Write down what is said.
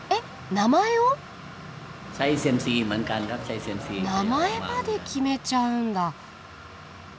名前まで決めちゃうんだ。